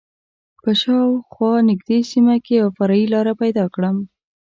په شا او خوا نږدې سیمه کې یوه فرعي لاره پیدا کړم.